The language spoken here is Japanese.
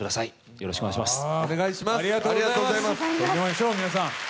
よろしくお願いします。